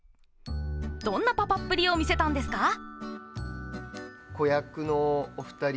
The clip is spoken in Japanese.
どんなパパッぷりを見せたんですか？